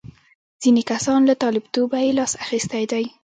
ځینې کسان له طالبتوبه یې لاس اخیستی دی.